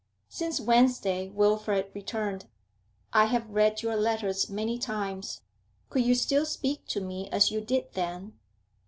'Since Wednesday,' Wilfrid returned, 'I have read your letters many times. Could you still speak to me as you did then?'